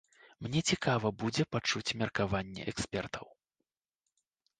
Мне цікава будзе пачуць меркаванне экспертаў.